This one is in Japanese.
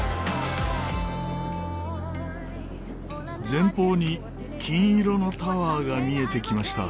前方に金色のタワーが見えてきました。